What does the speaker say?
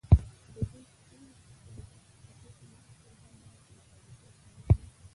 له دې پیښې وروسته بل داسې تاریخي سند نشته.